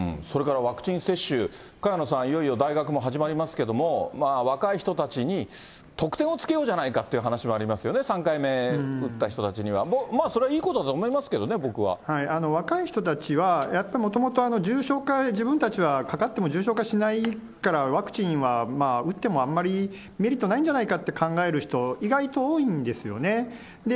それからワクチン接種、萱野さん、いよいよ大学も始まりますけれども、若い人たちに特典をつけようじゃないかっていう話もありますよね、３回目打った人たちには。それはいいことだと思いますけど若い人たちは、もともと重症化、自分たちはかかっても重症化しないからワクチンは打ってもあんまりメリットないんじゃないかって考える人、意外と多いんですよね。